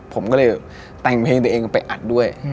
ไปแต่งเพลงตัวเองไปอัดด้วย